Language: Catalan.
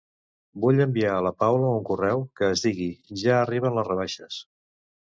Vull enviar a la Paula un correu que es digui "ja arriben les rebaixes".